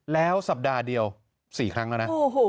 แล้วสัปดาห์เดียว๔ครั้งแล้วนะ